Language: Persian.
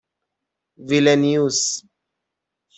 ویلنیوس